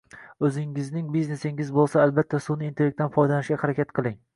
Oʻzingizning biznesingiz boʻlsa, albatta sunʼiy intellektdan foydalanishga harakat qiling.